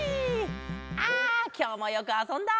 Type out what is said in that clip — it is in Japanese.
あきょうもよくあそんだ。